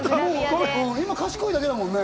今、賢いだけだもんね。